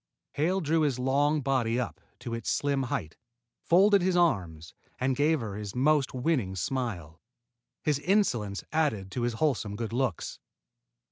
Hale drew his long body up to its slim height, folded his arms, and gave her his most winning smile. His insolence added to his wholesome good looks.